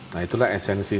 nah itulah esensi